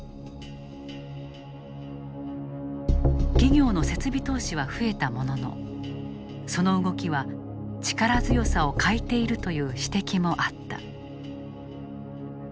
企業の設備投資は増えたもののその動きは力強さを欠いているという指摘もあった。